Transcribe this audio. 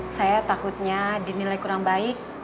saya takutnya dinilai kurang baik